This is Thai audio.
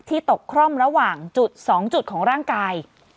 ตกคร่อมระหว่างจุด๒จุดของร่างกาย